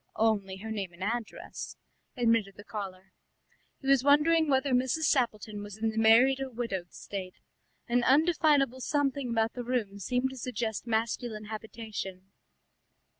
"Only her name and address," admitted the caller. He was wondering whether Mrs. Sappleton was in the married or widowed state. An undefinable something about the room seemed to suggest masculine habitation.